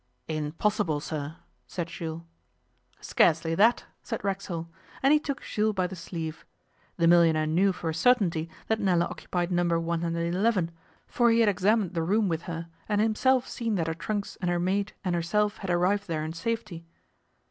'Impossible, sir,' said Jules. 'Scarcely that,' said Racksole, and he took Jules by the sleeve. The millionaire knew for a certainty that Nella occupied No. 111, for he had examined the room with her, and himself seen that her trunks and her maid and herself had arrived there in safety.